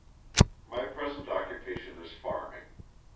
My present occupation is farming.